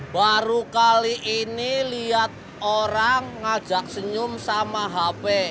baru kali ini lihat orang ngajak senyum sama hp